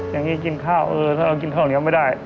อย่างนี้กินข้าวเออถ้าเรากินข้าวเหนียวไม่ได้